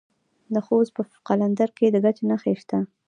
د خوست په قلندر کې د ګچ نښې شته.